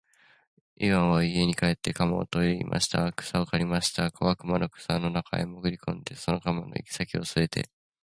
イワンは家へ帰って鎌をといでまた草を刈りはじめました。小悪魔は草の中へもぐり込んで、その鎌の先きを捉えて、